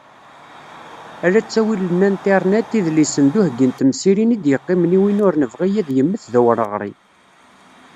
Ala ttawil n internet, idlisen d uheyyi n temsirin i d-yeqqimen i win ur nebɣi ad yemmet d awreɣri.